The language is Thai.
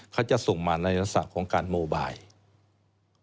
เขาจะส่งมารัฐศาสตร์ของการโมไบล์